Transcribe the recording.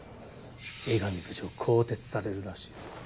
江上部長更迭されるらしいぞ。